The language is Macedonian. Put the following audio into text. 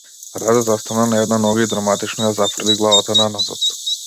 Раде застана на една нога и драматично ја зафрли главата наназад.